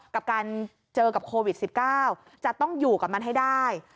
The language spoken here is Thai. กับการเจอกับโควิด๑๙จะต้องอยู่กับมันให้ได้